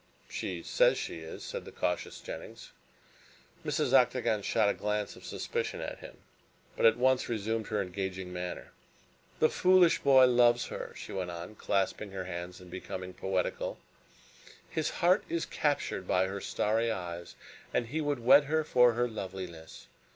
"She says she is," said the cautious Jennings. Mrs. Octagon shot a glance of suspicion at him, but at once resumed her engaging manner. "The foolish boy loves her," she went on, clasping her hands and becoming poetical, "his heart is captured by her starry eyes and he would wed her for her loveliness.